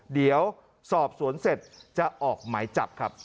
เดี๋ยวสอบสวนเสร็จจะออกหมายจับครับ